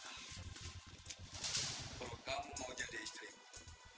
kalau kamu mau jadi istrimu